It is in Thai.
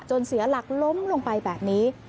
เสียหลักล้มลงไปแบบนี้